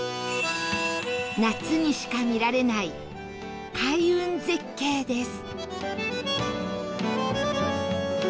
夏にしか見られない開運絶景です